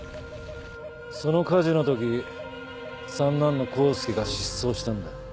その火事の時三男の黄介が失踪したんだ。